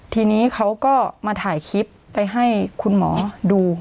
ทีนี้เขาก็มาถ่ายคลิปไปให้คุณหมอดู